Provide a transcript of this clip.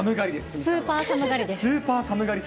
スーパー寒がりです。